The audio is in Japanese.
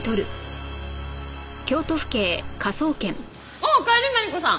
おおおかえりマリコさん。